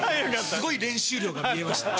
すごい練習量が見えました